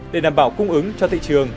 để đảm bảo cung ứng cho thị trường